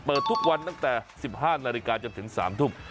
ทุกวันตั้งแต่๑๕นาฬิกาจนถึง๓ทุ่ม